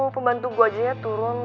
pembantu gue aja turun